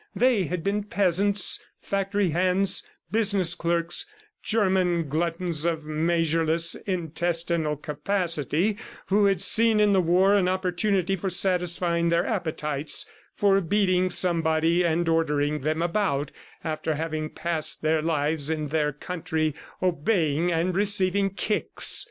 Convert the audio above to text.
They had been peasants, factory hands, business clerks, German gluttons of measureless (intestinal) capacity, who had seen in the war an opportunity for satisfying their appetites, for beating somebody and ordering them about after having passed their lives in their country, obeying and receiving kicks.